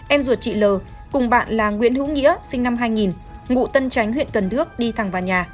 em ruột chị l cùng bạn là nguyễn hữu nghĩa sinh năm hai nghìn ngụ tân tránh huyện cần đước đi thẳng vào nhà